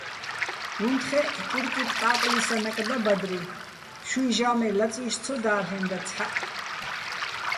უ̂ჼთხეჸ, კირკიტ კაკლისანაკ და ბადრი, შუჲ ჟა́მე ლაწი́შ ცო და́ლ'ენდა ცჰ̦აჸ.